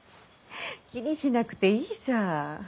気にしなくていいさ。